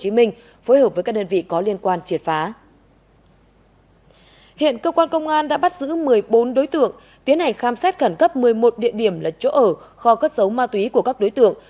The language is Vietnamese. hiện cơ quan công an đã bắt giữ một mươi bốn đối tượng tiến hành khám xét khẩn cấp một mươi một địa điểm là chỗ ở kho cất dấu ma túy của các đối tượng